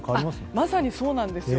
まさにそうなんですよ。